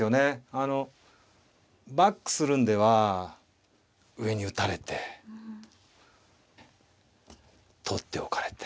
あのバックするんでは上に打たれて取っておかれて。